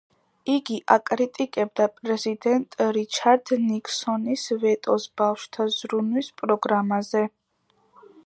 იგი აკრიტიკებდა პრეზიდენტ რიჩარდ ნიქსონის ვეტოს ბავშვთა ზრუნვის პროგრამაზე.